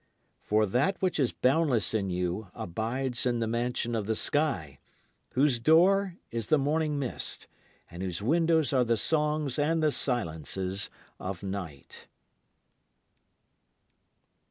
For that which is boundless in you abides in the mansion of the sky, whose door is the morning mist, and whose windows are the songs and the silences of night.